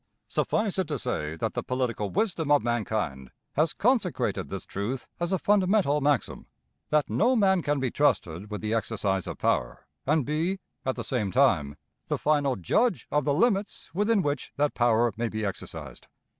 Suffice it to say that the political wisdom of mankind has consecrated this truth as a fundamental maxim, that no man can be trusted with the exercise of power and be, at the same time, the final judge of the limits within which that power may be exercised.